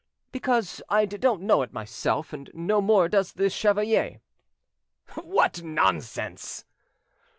"Because I don't know it myself, and no more does the chevalier." "What' nonsense!"